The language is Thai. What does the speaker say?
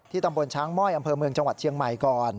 ตำบลช้างม่อยอำเภอเมืองจังหวัดเชียงใหม่ก่อน